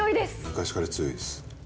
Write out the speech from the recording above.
昔から強いです。